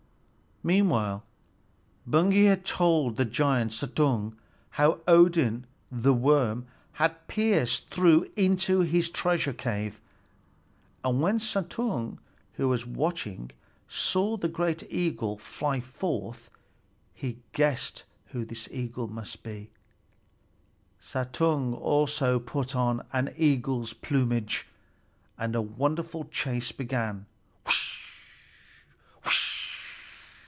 Meanwhile Baugi had told the giant Suttung how Odin the worm had pierced through into his treasure cave; and when Suttung, who was watching, saw the great eagle fly forth, he guessed who this eagle must be. Suttung also put on an eagle's plumage, and a wonderful chase began.